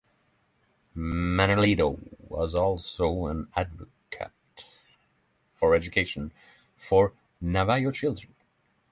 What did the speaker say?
Manuelito was also an advocate for education for Navajo children.